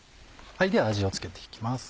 では味を付けて行きます。